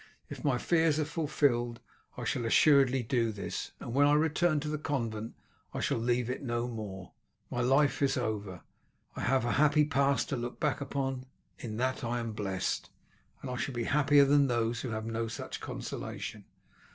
If my fears are fulfilled I shall assuredly do this, and when I return to the convent I shall leave it no more. My life is over. I have a happy past to look back upon, in that am blest, and shall be happier than those who have no such consolation.